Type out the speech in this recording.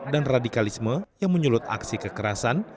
dan radikalisme yang menyulut aksi kekerasan